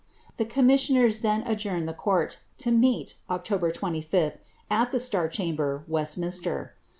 The commissioners then adjourned the court, to meet, >ctober 25th, at the Star Chamber, Westminster.